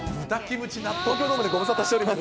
東京ドームでご無沙汰しております。